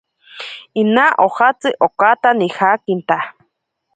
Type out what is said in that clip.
Inaa ojatsi okaata nijakinta.